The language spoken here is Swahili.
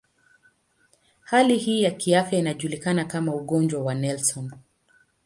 Hali hii ya kiafya inajulikana kama ugonjwa wa Nelson.